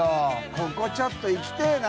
ここちょっと行きてぇな。